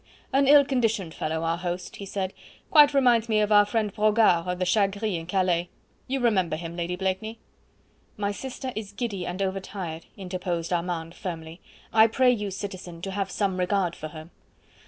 "An ill conditioned fellow, our host," he said "quite reminds me of our friend Brogard at the Chat Gris in Calais. You remember him, Lady Blakeney?" "My sister is giddy and over tired," interposed Armand firmly. "I pray you, citizen, to have some regard for her."